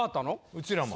うちらも。